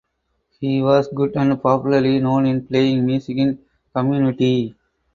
He was good and popularly known in playing music in community.